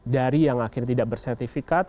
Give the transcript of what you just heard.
dari yang akhirnya tidak bersertifikat